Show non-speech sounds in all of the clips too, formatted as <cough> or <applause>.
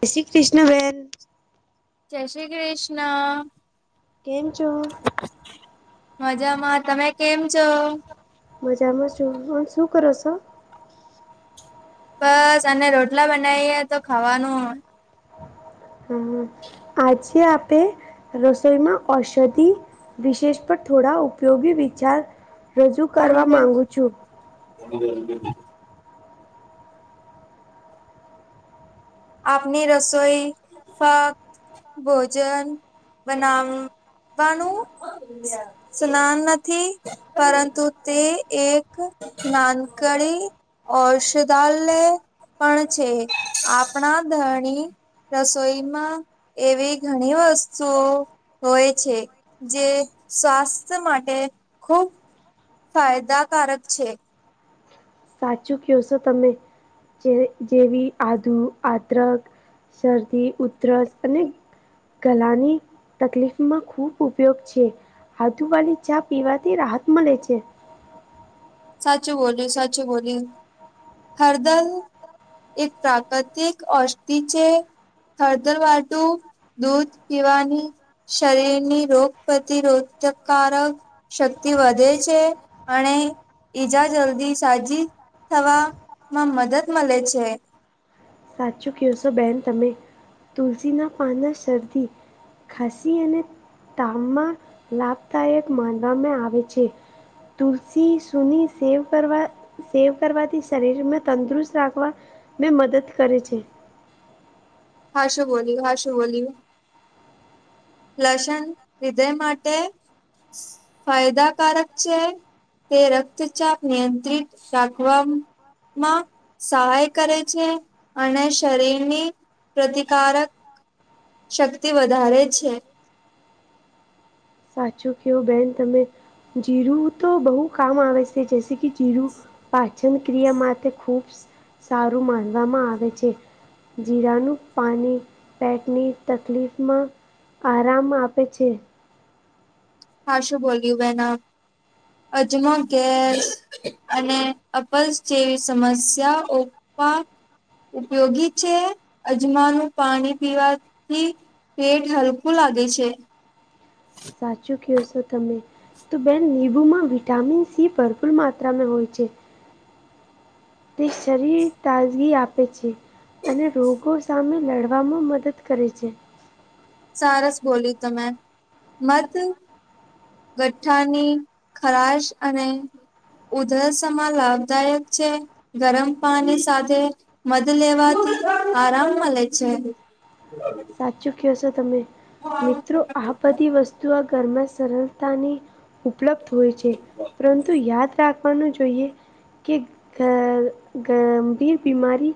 જય શ્રી કૃષ્ણ બેન. જય શ્રી કૃષ્ણ. કેમ છો? મજામાં. તમે કેમ છો? મજામાં છું. હ શું કરો છો? બસ અને રોટલા બનાવીએ તો ખાવાનું હો. હ આજે આપે રસોઈમાં ઔષધિ વિશેષ પર થોડા ઉપયોગી વિચાર રજૂ કરવા માંગુ છું. <inaudible> આપની રસોઈ ફક્ત ભોજન બનાવ વાનું સ્નાન નથી પરંતુ તે એક નાનકડી ઔષધાલય પણ છે આપ ણા ધરણી રસોઈમાં એવી ઘણી વસ્તુઓ હોય છે. જે સ્વાસ્થ્ય માટે ખૂબ ફાયદા કારક છે. સાચું કે છો તમે. જે જેવી આદુ આદરક શરદી ઉધરસ અને ગલાની તકલીફમાં ખૂબ ઉપયોગ છે. આદુવાલી ચા પીવાથી રાહત મળે છે. સાચું બોલયુ સાચુ બોલયુ હરદલ એક તાકાત એક અસ્તિ છે હળદર વાલુ દૂધ પીવાની શરીરની રોગ પ્રતિરોધકારક શક્તિ વધે છે અને ઈજા જલ્દી સાજી થવામાં મદદ મલે છે. સાચું કેહેશો બેન તમે તુલસીના પાન ને શરદી ખાસી અને તાવમાં લાભદાયક માનવામાં આવે છે. તુલસી સુની સેવ કરવા સેવ કરવાથી શરીરમાં તંદુરસ્ત રાખવા મે મદદ કરે છે. હા શું બોલી હા શું બોલી. લસણ હૃદય માટે સ ફાયદાકારક છે. તે રક્તચાપ નિયંત્રિત રાખવા માં સહાય કરે છે અને શરીરની પ્રતિકારક શક્તિ વધારે છે. સાચું કેવો બેન તમે જીરું તો બો કામ આવે છે. તે જૈસે કે જીરું પાચન ક્રિયા માટે ખૂબ સ સારું માનવામાં આવે છે. જીરાનું પાણી પેટની તકલીફમાં આરામ આપે છે. હા શું બોલીયું બેના અજમો ગેસ અને અપલ્સ જેવી સમસ્યાઓ માં ઉપયોગી છે અજમાનું પાણી પીવાથી પેટ હલકું લાગે છે. સાચું કેવોશો તમે. તો બેન નિમ્બુ માં વિટામિન સી ભરપૂર માત્રામાં હોય છે. તે શરીર તાજગી આપે છે અને રોગો સામે લડ લડવામાં મદદ કરે છે. સારસ બોલી તમે મત ગઠ્ઠાની ખરાશ અને ઉધરસ મા લાભદાયક છે. ગરમ પાણી સાથે મધ લેવાથી આરામ મલે છે. <unintelligible> સાચુ કેવો છો તમે મિત્રો આ બધી વસ્તુઓ ઘરમાં સરળતાની ઉપલબ્ધ હોય છે પરંતુ યાદ રાખ વાનું જોઈએ કે ગ ગંભીર બીમારી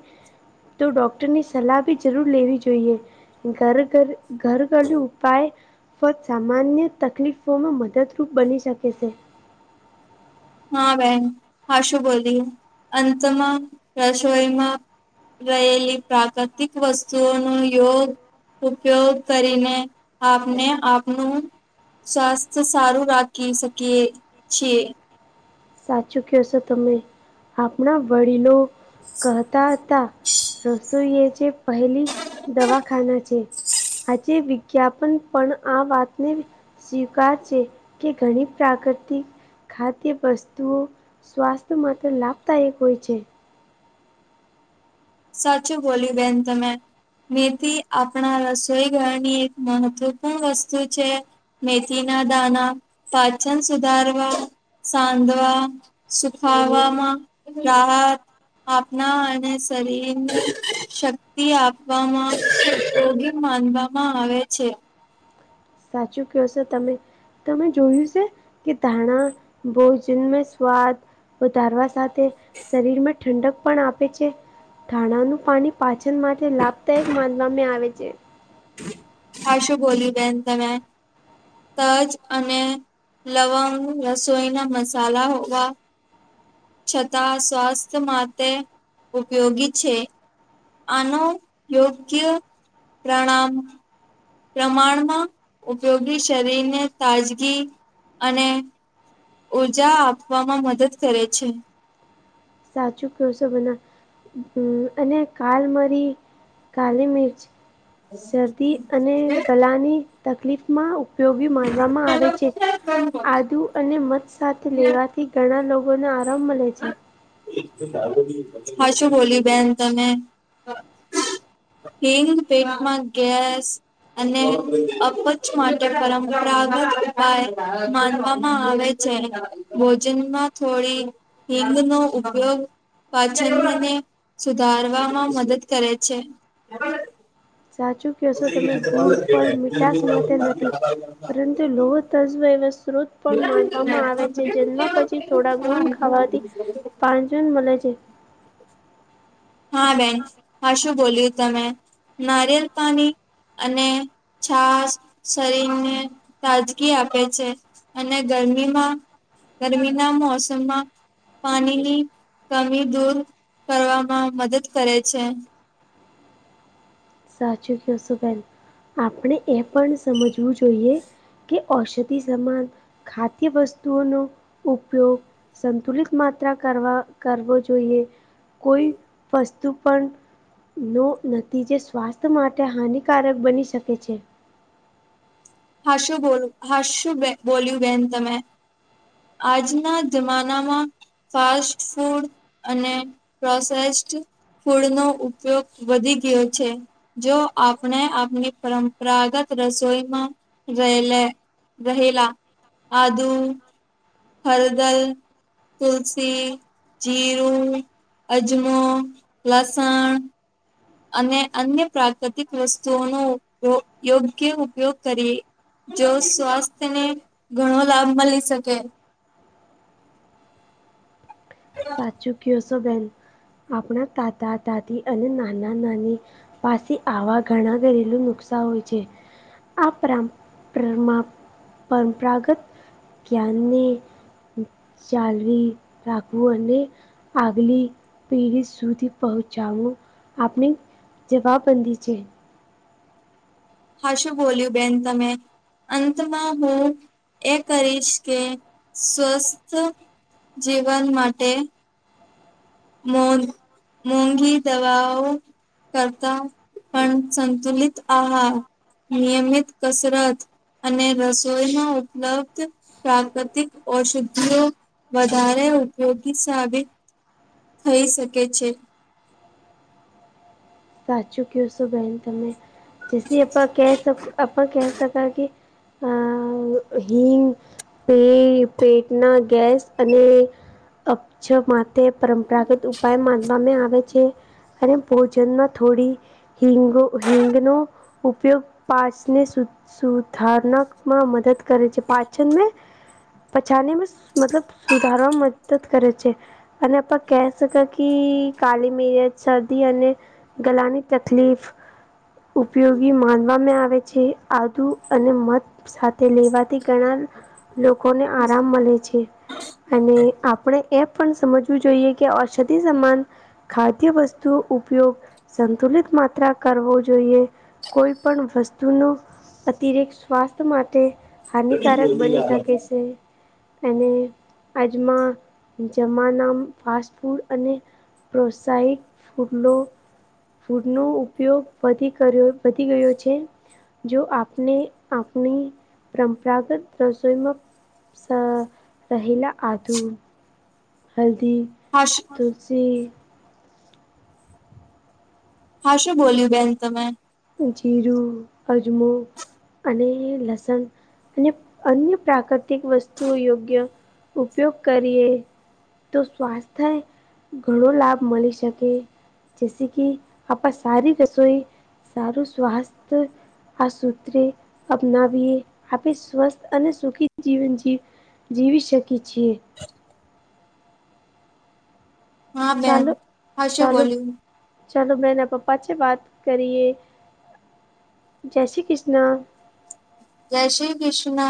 તો ડૉક્ટરની સલાહ બી જરૂર લેવી જોઈએ. ઘર ઘર ઘર ઘરયુ ઉપાય ફક સામાન્ય તકલીફો માં મદદરૂપ બની શકે છે. હા બેન હા શું બોલી અંતમાં રસોઈમાં રયેલી પ્રાકૃતિક વસ્તુઓ નું યોગ ઉપયોગ કરીને આપને આપનું સ્વાસ્થ્ય સારું રાખી શકીએ છીએ. સાચું કેવો છો તમે આપણા વડીલો કહતા હતા રસોઈ એ જે પહેલી દવાખાના છે. હજી વિજ્ઞાપન પણ આ વાતની સ્વીકાર છે, કે ઘણી પ્રાકૃતિ ખાદ્ય વસ્ તુંઓ સ્વાસ્થ માટે લાભદાયક હોય છે. સાચું બોલી બેન તમે. મેથી આપણા રસોઈ ઘરની એક મહત્વપૂર્ણ વસ્તુ છે. મેથી ના દાના, પાચન સુધારવા, સાંધવા સુખાવવામાં રાહત આપના અને શરીરને શક્તિ આપવામાં ઉપયોગી માનવામાં આવે છે. સાચું ક્યોશો તમે. તમે જોયું સે, કે ધાણા ભોજનમાં સ્વાદ વધારવા સાથે શરીરમાં ઠંડક પણ આપે છે. ધાણાનું પાણી પાચન માટે લાભદાયક માનવામાં આવે છે. હાસું બોલી બહેન તમે. તજ અને લવંગ રસોઈ ના મસાલા હોવા છતાં સ્વાસ્થ્ માટે ઉપયોગી છે. આનો યોગ્ય પ્રણામ પ્રમાણમાં ઉપયોગી શરીરને તાજગી અને ઉર્જા આપવામાં મદદ કરે છે. સાચું ક્યોશો બેના. અને કાલ મરી કાલી મિર્ચ, શરદી અને ગલાની તકલીફમાં ઉ પયોગી માનવામાં આવે છે. આદુ અને મધ સાથે લેવા થી ઘણા લોગોને આરામ મલે છે. હાસું બોલ્યું બેન તમે. હિંગ <unintelligible> માં ગેસ અને અપચ માટે પરંપરાગત ઉપાય માનવામાં આવે છે. અને ભોજનમાં થોડી હિંગ નો ઉપયોગ પાચનને સુધારવામાં મદદ કરે છે. સાચું ક્યોશો તમે. ગુડ ફલ મીઠાશ માટે નથી. પરં તું <unintelligible> પણ માનવામાં આવે છે. જન્મા પછી થોડા ગુળ ખાવાથી પાંચન મલે છે. હા બેન. હાસું બોલ્યું તમે. નારિયેલ પાની અને છાશ શરીરને તાજગી આપે છે. અને ગરમીમાં ગરમીના મોસમમાં પાણીની કમી દૂર કરવા માં મદદ કરે છે. સાચું કયોશો બેન. આપણે એ પણ સમજવું જોઈએ કે ઔષધિ સમાન ખાદ્ય વસ્તુઓનો ઉપયોગ સંતુલિત માત્રા કરવા કરવો જોઈએ. કોઈ વસ્તુ પણ નો નથી જે સ સ્વાસ્થ માટે હાનિકારક બની શકે છે. હાસું બોલ હાસું બેન બોલ્યું બેન તમે. આજના જમાનામાં ફાસ્ટ ફૂડ અને પ્રોસેસ્ટ ફૂડનો ઉપયોગ વધી ગયો છે. જો આપણે આપણી પરંપરાગત રસોઈમાં રયે લે રહેલા આદુ હલદલ તુલસી, જીરું, અજમો, લસણ અને અન્ય પ્રાકૃતિક વસ્તુઓનો યોયોગ્ય ઉપયોગ કરીએ જો સ્વાસ્થ્યને ઘણો લાભ મલી શકે સાચું કયો શો બેન આપણા તાતા દાદી અને નાના નાની પાસી આવા ઘણા ઘરેલું નુકસા હોય છે આ પ્રામ પ્રમા પરંપરાગત ક્યારની ચાલવી હું અને આગલી પેઢી સુધી પહોચાવુ આપણે જવાબબંધી છે હાશુ બોલ્યું બેન તમે અંતમાં હું એ કરીશ કે સ્વસ્થ જીવન માટે મોન મોંઘી દવાઓ કરતા પણ સંતુલિત આહાર, નિયમિત કસરત અને રસોઈમાં ઉપલબ્ધ પ્રાકૃતિક ઔષધિઓ વધારે ઉપયોગી સાબિત થઈ શકે છે સાચું કયો સો બહેન તમે. જેસી અપા કહે સક અપ કહે સકાકે આ હિંગ એ પેટના ગેસ અને અપજ માટે પરંપરાગત ઉપાય માનવામે આવે છે અને ભોજનમાં થોડી હિંગ હિંગનો ઉપયોગ પાચને સુ સુધારનકમાં મદદ કરે છે પાચન મે પછામે મતલબ સુધારવાવામાં મદદ કરે છે અને આપા કહે શ કે કી કાલી મીરચ શરદી અને ગલાની તકલીફ- - ઉપયોગી માનવામે આવે છે આદુ અને મત- - સાથે લેવાથી ઘણા લોકોને આરામ મલે છે. અને આપણે- - એપ પણ સમજવું જોઈએ કે ઔષધિ સમાન ખાદ્ય વસ્તુ ઉપયોગ- - સંતુલિત માત્રા કરવો જોઈએ કોઈ પણ વસ્તુનો- - અતિરેક્ત સ્વાસ્થ્ય માટે હાનિકારક બની શકે છે. અને આજમાં જમાનામ ફાસ્ટ ફૂડ અને- - પ્રોસાયિક ફૂડલો- - ફૂડનો ઉપયોગ વધી કર્યો વધી ગયો છે. જો આપને આપણી પ્રંપરાગત રસોઈમાં- - સ રહેલા આધુ- - હલ્દી- - હાશ- - પ. તુલશી- - હાશુ બોલ્યું બેન તમે. જીરું, અજમો અને લસન- - અને અન્ય પ્રાકૃતિક વસ્તુઓ યોગ્ય ઉપયોગ કરીએ. - - તો સ્વાસ્થ્ય ઘણો લાભ મળી શકે. જેસે કી આપા સારી રસોઈ સારું સ્વાસ્થ આ સૂત્રે અપનાવીએ આપે સ્વસ્થ અને સુખી જીવન જીવ જીવી શકી છીએ. હા બેન ચાલો હાશું ચાલો બોલ્યું. ચાલો મેના પપ્પા છે. વાત કરીએ જય શ્રી કૃષ્ણ. જય શ્રી કૃષ્ણ.